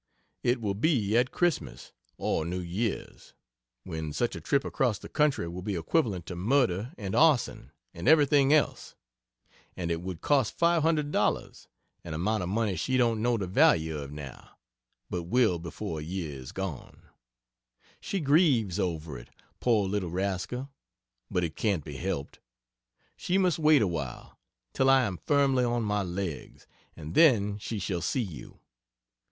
It will be at Christmas or New Years, when such a trip across the country would be equivalent to murder & arson & everything else. And it would cost five hundred dollars an amount of money she don't know the value of now, but will before a year is gone. She grieves over it, poor little rascal, but it can't be helped. She must wait awhile, till I am firmly on my legs, & then she shall see you.